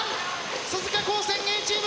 鈴鹿高専Ａチーム